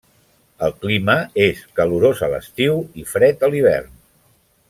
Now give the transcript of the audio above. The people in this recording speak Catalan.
El clima és calorós a l'estiu i fred a l'hivern.